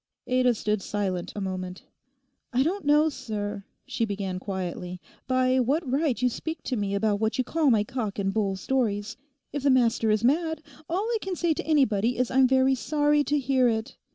Ada stood silent a moment. 'I don't know, sir,' she began quietly, 'by what right you speak to me about what you call my cock and bull stories. If the master is mad, all I can say to anybody is I'm very sorry to hear it.